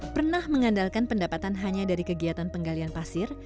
pernah mengandalkan pendapatan hanya dari kegiatan penggalian pasir